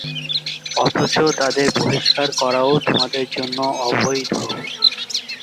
অথচ তাদের বহিস্কার করাও তোমাদের জন্য অবৈধ।